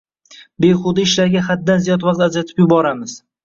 Behuda ishlarga haddan ziyod vaqt ajratib yuboramiz.